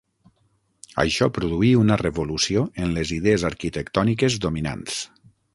Això produí una revolució en les idees arquitectòniques dominants.